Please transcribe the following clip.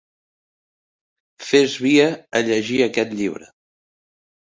Fes via a llegir aquest llibre.